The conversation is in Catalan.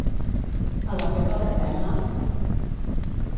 El va fer caure a terra?